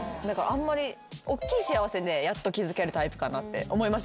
おっきい幸せでやっと気付けるタイプかなって思いました